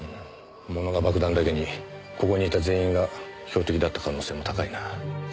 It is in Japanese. ものが爆弾だけにここにいた全員が標的だった可能性も高いな。